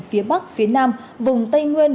phía bắc phía nam vùng tây nguyên